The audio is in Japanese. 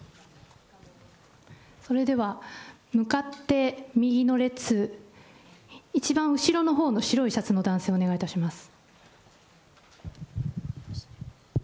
それでは、向かって右の列、一番後ろのほうの白いシャツの男性、お願いいたします。